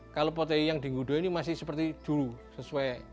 kalau protein yang di ngudo ini masih seperti dulu sesuai